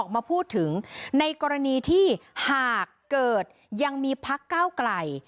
มาพูดถึงในกรณีที่หากเกิดยังมีพักเก้าไกล